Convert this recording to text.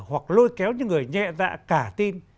hoặc lôi kéo những người nhẹ dạ cả tin